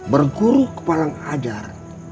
berguru ke padang ajar